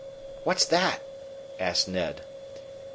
"What's that?" asked Ned.